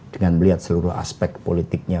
dengan melihat seluruh aspek politiknya